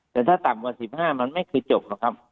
แต่ถ้าต่ำกว่า๑๕มันไม่เคยจบหรอกครับ